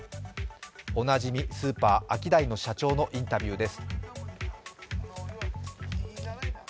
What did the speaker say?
おなじみスーパーアキダイの社長のインタビューです。